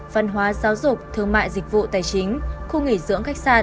văn hóa giáo dục thương mại dịch vụ tài chính khu nghỉ dưỡng khách sạn